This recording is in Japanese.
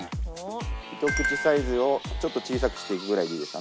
ひと口サイズをちょっと小さくしていくぐらいでいいです。